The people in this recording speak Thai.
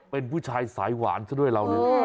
เป็นผู้ชายสายหวานซะด้วยเราเลย